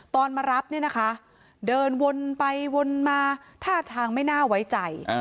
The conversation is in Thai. มารับเนี่ยนะคะเดินวนไปวนมาท่าทางไม่น่าไว้ใจ